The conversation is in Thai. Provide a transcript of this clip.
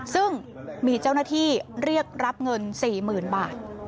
ซึ่งมีเจ้าหน้าที่เรียกรับเงิน๔๐๐๐บาท